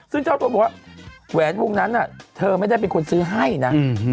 ซึ่งเจ้าตัวบอกว่าแหวนวงนั้นเธอไม่ได้เป็นคนซื้อให้นะ